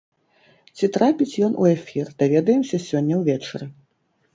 Ці трапіць ён у эфір, даведаемся сёння ўвечары.